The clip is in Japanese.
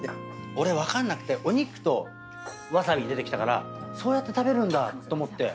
俺分かんなくてお肉とわさび出てきたからそうやって食べるんだと思って。